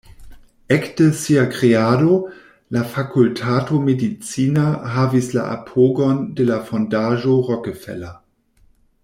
Ekde sia kreado, la Fakultato Medicina havis la apogon de la Fondaĵo Rockefeller.